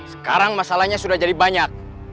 sekarang masalahnya sudah jadi banyak